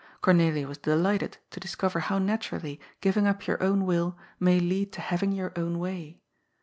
Cornelia was delighted to discover how naturally giving up your own will may lead to having your own way.